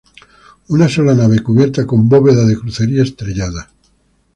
Una sola nave cubierta con bóveda de crucería estrellada.